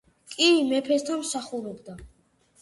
კი მეფესთან მსახურობდა